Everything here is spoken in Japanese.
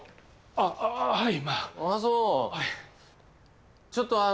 あっはい。